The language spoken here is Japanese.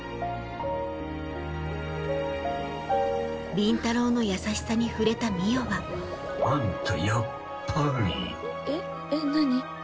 倫太郎の優しさに触れた海音はあんたやっぱりえっえっ何？